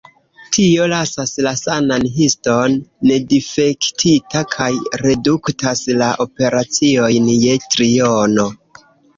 Tio lasas la sanan histon nedifektita kaj reduktas la operaciojn je triono.